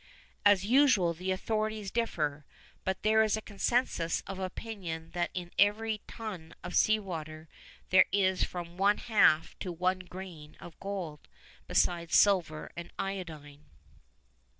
As usual, authorities differ, but there is a consensus of opinion that in every ton of sea water there is from one half to one grain of gold, besides silver and iodine.